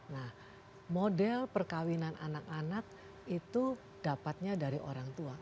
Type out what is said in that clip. nah model perkawinan anak anak itu dapatnya dari orang tua